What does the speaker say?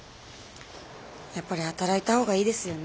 やっぱり働いた方がいいですよね。